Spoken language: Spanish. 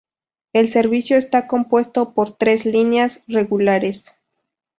El servicio está compuesto por tres líneas regulares.